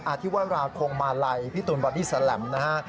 อาทิวาราคงมาไล่พี่ตูนบัดดิสลัมนะฮะ